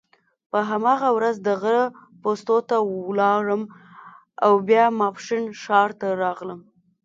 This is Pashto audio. په هماغه ورځ د غره پوستو ته ولاړم او بیا ماپښین ښار ته راغلم.